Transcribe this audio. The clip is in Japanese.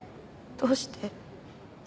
どうして？